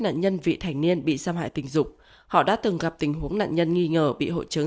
nạn nhân vị thành niên bị xâm hại tình dục họ đã từng gặp tình huống nạn nhân nghi ngờ bị hội chứng